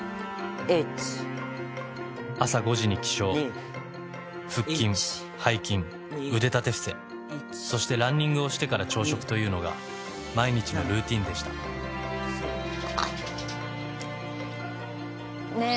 １朝５時に起床腹筋・背筋・腕立て伏せそしてランニングをしてから朝食というのが毎日のルーティンでしたねぇ